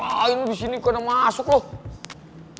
woh ngapain disini kena masuk loh